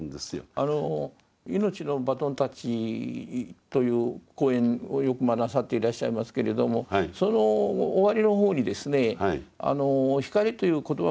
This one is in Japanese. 「命のバトンタッチ」という講演をよくなさっていらっしゃいますけれどもその終わりの方にですね光という言葉も出ているんですけれども光明ですね。